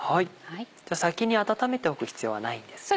先に温めておく必要はないんですね。